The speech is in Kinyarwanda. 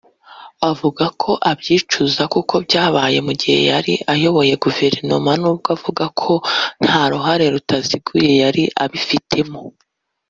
Avuga ko abyicuza kuko byabaye mu gihe yari ayoboye Guverinoma nubwo avuga ko nta ruhare rutaziguye yari abifitemo